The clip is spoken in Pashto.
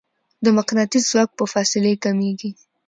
د مقناطیس ځواک په فاصلې کمېږي.